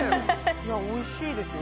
おいしいですよ